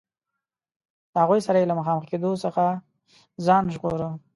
له هغوی سره یې له مخامخ کېدلو څخه ځان ژغوره.